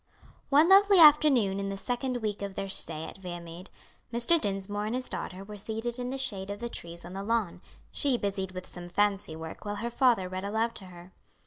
One lovely afternoon in the second week of their stay at Viamede, Mr. Dinsmore and his daughter were seated in the shade of the trees on the lawn, she busied with some fancy work while her father read aloud to her.